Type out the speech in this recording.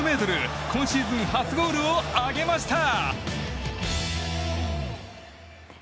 今シーズン初ゴールを挙げました。